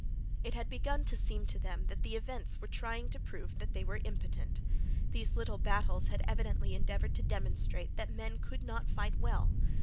It had begun to seem to them that events were trying to prove that they were impotent. These little battles had evidently endeavored to demonstrate that the men could not fight well.